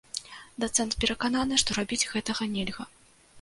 Дацэнт перакананы, што рабіць гэтага нельга.